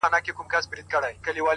o پلار د شپې بې خوبه وي,